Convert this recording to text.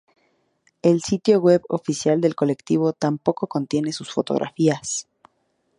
El sitio web oficial del colectivo tampoco contiene sus fotografías.